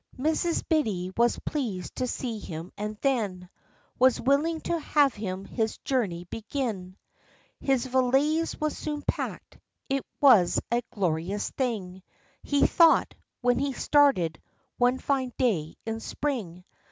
Mrs. Biddy was pleased to see him, and then Was willing to have him his journey begin. His valise was soon packed. It was a glorious thing, He thought, when he started, one fine day in spring.